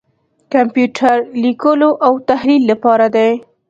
کمپیوټر لیکلو او تحلیل لپاره دی.